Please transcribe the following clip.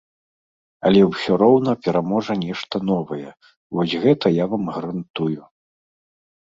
Але ўсё роўна пераможа нешта новае, вось гэта я вам гарантую.